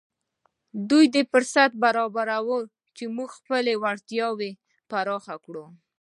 دوی دا فرصت برابر کړی چې موږ خپلې وړتياوې پراخې کړو.